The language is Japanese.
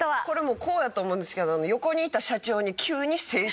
これもうこうやと思うんですけど横にいた。